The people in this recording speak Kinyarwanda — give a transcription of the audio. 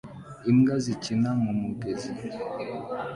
imbwa zikina mu mugezi